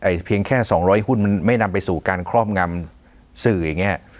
เพียงแค่สองร้อยหุ้นมันไม่นำไปสู่การครอบงำสื่ออย่างเงี้ย